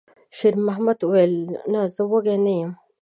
شېرمحمد وویل: «نه، زه وږی نه یم.»